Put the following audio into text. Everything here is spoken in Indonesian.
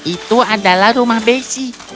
itu adalah rumah bessie